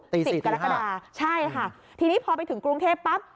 สิบกรกฎาใช่ค่ะทีนี้พอไปถึงกรุงเทพปั๊บ